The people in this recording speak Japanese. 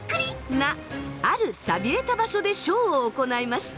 なあるさびれた場所でショーを行いました。